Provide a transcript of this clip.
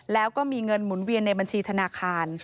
แล้วก็มีเงินหมุนเวียนในบัญชีธนาคาร